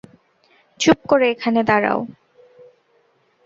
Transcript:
চুপ করে এখানে দাঁড়াও।